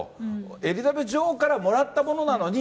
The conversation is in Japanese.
エリザベス女王からもらったものなのに、